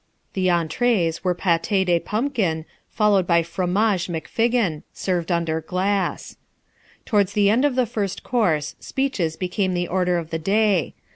The entrées were pâté de pumpkin, followed by fromage McFiggin, served under glass. Towards the end of the first course, speeches became the order of the day.